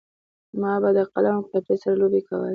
ما به د قلم او کتابچې سره لوبې کولې